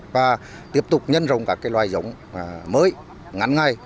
và tiếp tục nhân rồng các loài giống mới ngắn ngay